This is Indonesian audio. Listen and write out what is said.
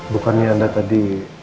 bukannya anda tadi